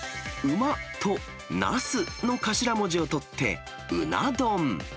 馬となすの頭文字を取って、馬茄丼。